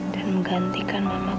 dan menggantikan mama kamu